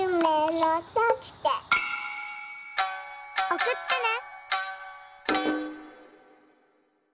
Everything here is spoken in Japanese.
おくってね。